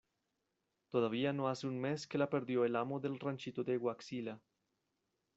todavía no hace un mes que la perdió el amo del ranchito de Huaxila: